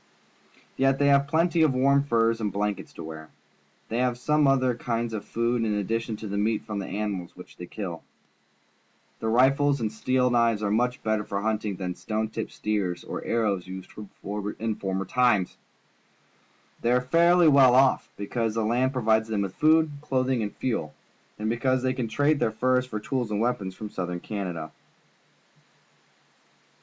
Yet they have plenty of warm furs and blankets to wear. They have some other kinds of food in addition to the meat from the animals which they kill. Their rifles and steel knives are much better for hunting than the stone tipped spears and arrows used in former times. They are fairly well off, because the land provides them with food, clothing, and fuel, and because they can trade their furs for tools and weapons from Soutliern Canada.